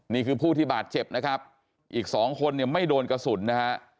นี่คือผู้ที่บาดเจ็บนะครับอีกสองคนเนี่ยไม่โดนกระสุนนะฮะ